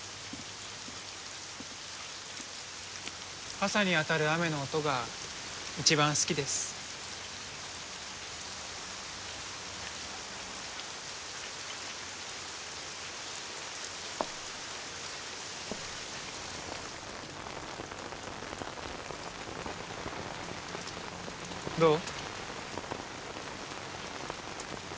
傘に当たる雨の音が一番好きですどう？